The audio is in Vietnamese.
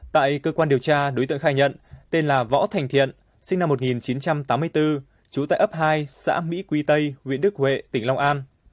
tại cơ quan điều tra đối tượng khai nhận tên là võ thành thiện sinh năm một nghìn chín trăm tám mươi bốn trú tại ấp hai xã mỹ quy tây huyện đức huệ tỉnh long an